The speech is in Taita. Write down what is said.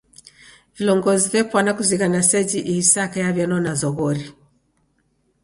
Vilongozi vepwana kuzighana seji ihi saka yaw'ianona zoghori.